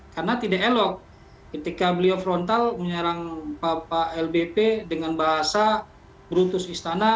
karena tidak elok ketika beliau frontal menyerang bapak lbp dengan bahasa brutus istana